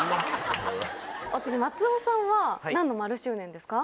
松尾さんは何の○周年ですか？